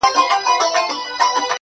سل کوډ گر، يو غيبتگر.